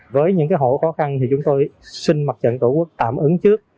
với những hộ khó khăn thì chúng tôi xin mặt trận tổ quốc tạm ứng trước